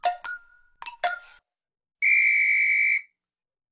ピッ！